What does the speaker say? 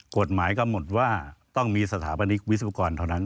กฎหมายกำหนดว่าต้องมีสถาปนิกวิศวกรเท่านั้น